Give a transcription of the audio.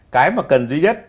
cái mà cần duy nhất